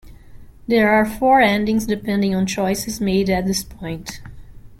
There are four endings depending on choices made at this point.